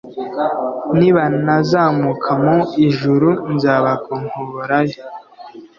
nibanazamuka mu ijuru, nzabakonkoborayo.